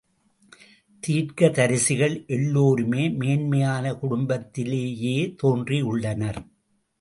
தீர்க்கதரிசிகள் எல்லோருமே மேன்மையான குடும்பத்திலேயே தோன்றியுள்ளனர்.